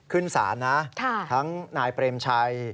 ขึ้นศาลนะทั้งนายเปรมชัย